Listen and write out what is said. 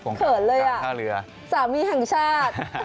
เขินเลยอ่ะสามีแห่งชาติ